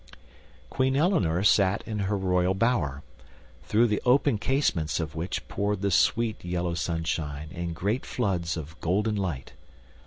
Queen Eleanor sat in her royal bower, through the open casements of which poured the sweet yellow sunshine in great floods of golden light.